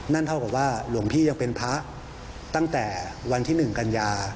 เท่ากับว่าหลวงพี่ยังเป็นพระตั้งแต่วันที่๑กันยา